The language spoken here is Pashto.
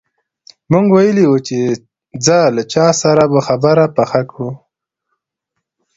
موږ ویلي وو چې ځه له چا سره به خبره پخه کړو.